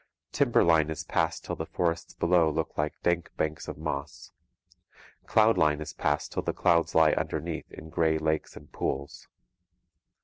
Timber line is passed till the forests below look like dank banks of moss. Cloud line is passed till the clouds lie underneath in grey lakes and pools.